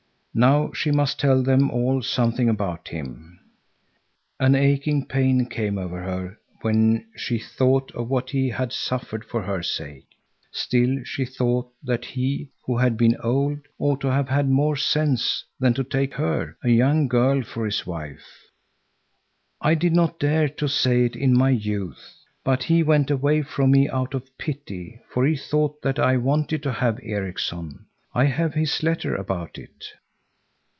Now she must tell them all something about him. An aching pain came over her when she thought of what he had suffered for her sake. Still she thought that he, who had been old, ought to have had more sense than to take her, a young girl, for his wife. "I did not dare to say it in my youth. But he went away from me out of pity, for he thought that I wanted to have Erikson. I have his letter about it."